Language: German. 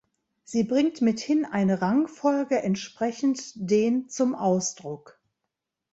Sie bringt mithin eine Rangfolge entsprechend den zum Ausdruck.